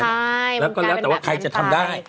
ใช่มันกลายเป็นแบบนั้นไปแล้วก็แล้วแต่ว่าใครจะทำได้